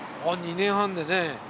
２年半でね。